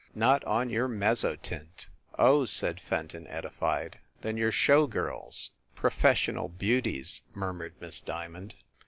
Not on your mezzotint !" "Oh," said Fenton, edified. "Then you re show girls?" "Professional beauties," murmured Miss Dia mond.